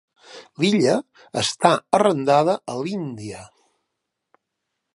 L'illa està arrendada a l'Índia.